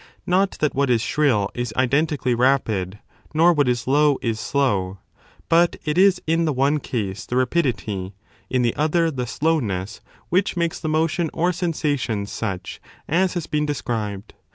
Not that what is shrill is identically rapid, nor what is low is slow, but it is in the one case the rapidity, in the other the slowness, which makes the motion or sensation such as has been described.